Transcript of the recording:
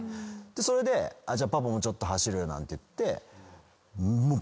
それで「パパもちょっと走る」なんて言って。